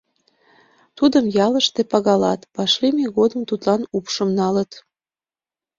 Тудым ялыште пагалат, вашлийме годым тудлан упшым налыт.